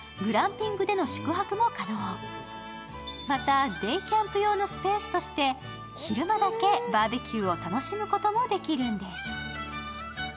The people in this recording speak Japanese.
またデイキャンプ用のスペースとして昼間だけバーベキューを楽しむこともできるんです。